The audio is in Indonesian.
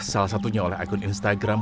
salah satunya oleh akun instagram